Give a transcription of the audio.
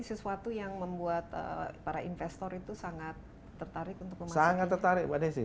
sesuatu yang membuat para investor itu sangat tertarik untuk